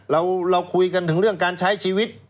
เราคุยกันถึงเรื่องการใช้ชีวิต